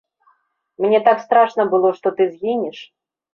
Мне так страшна было, што ты згінеш.